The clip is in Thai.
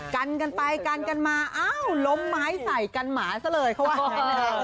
กันกันไปกันกันมาอ้าวล้มไม้ใส่กันหมาซะเลยเขาว่าอย่างนั้น